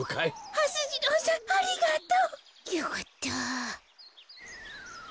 はす次郎さんありがとう。よかった。